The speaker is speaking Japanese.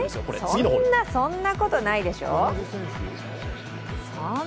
そんな、そんなことないでしょう